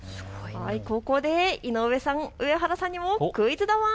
ここで井上さん、上原さんにもクイズだワン。